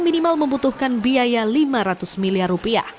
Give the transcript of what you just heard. minimal membutuhkan biaya rp lima ratus miliar